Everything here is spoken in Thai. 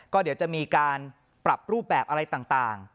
ก็เดี๋ยวจะมีการปรับรูปแบบอะไรต่าง